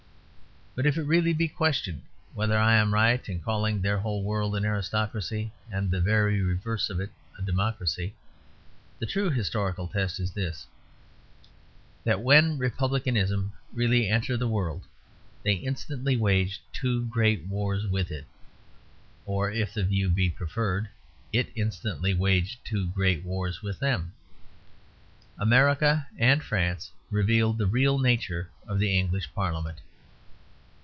But if it be really questioned whether I am right in calling their whole world an aristocracy, and the very reverse of it a democracy, the true historical test is this: that when republicanism really entered the world, they instantly waged two great wars with it or (if the view be preferred) it instantly waged two great wars with them. America and France revealed the real nature of the English Parliament.